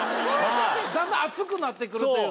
だんだん熱くなってくるというか。